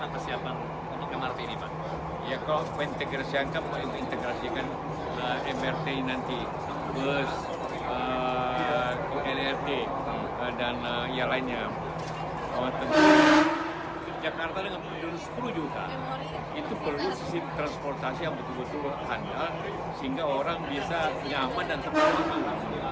portasi yang betul betul handal sehingga orang bisa nyaman dan tepat